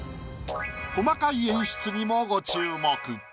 細かい演出にもご注目。